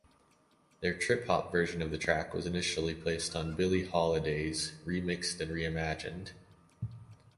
Their trip-hop version of the track was initially placed on"Billie Holidays: Remixed and Reimagined".